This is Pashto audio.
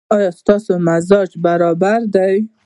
ایا ستاسو مزاج برابر دی؟